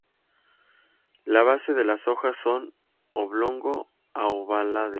La base de las hojas son oblongo-aovalades.